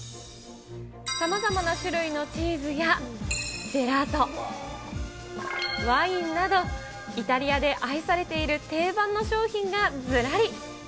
さまざまな種類のチーズやジェラート、ワインなどイタリアで愛されている、定番の商品がずらり。